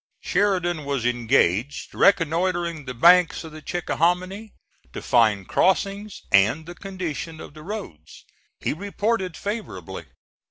Sheridan was engaged reconnoitring the banks of the Chickahominy, to find crossings and the condition of the roads. He reported favorably.